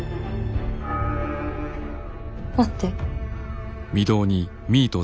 待って。